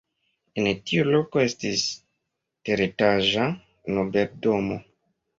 En tiu loko estis teretaĝa nobeldomo.